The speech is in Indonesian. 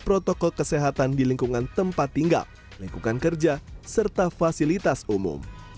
protokol kesehatan di lingkungan tempat tinggal lingkungan kerja serta fasilitas umum